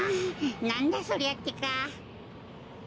なんだそりゃってか。